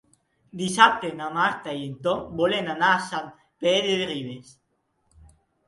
Dissabte na Marta i en Tom volen anar a Sant Pere de Ribes.